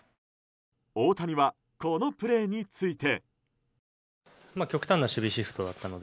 大谷は、このプレーについて。